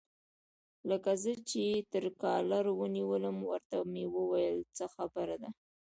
لکه زه چې یې تر کالر ونیولم، ورته مې وویل: څه خبره ده؟